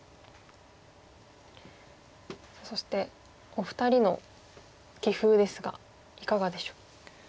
そしてお二人の棋風ですがいかがでしょう？